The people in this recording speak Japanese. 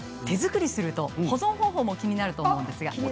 手作りすると保存方法も気になると思います。